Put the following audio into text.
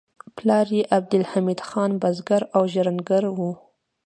پلار یې عبدالحمید خان بزګر او ژرندګړی و